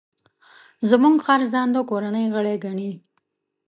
زموږ خر ځان د کورنۍ غړی ګڼي.